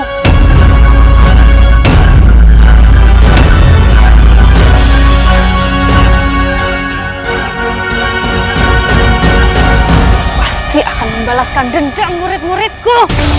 aku pasti akan membalaskan dendam murid muridku